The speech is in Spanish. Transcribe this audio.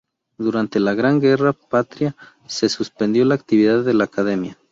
Durante la Gran Guerra Patria se suspendió la actividad de la Academia.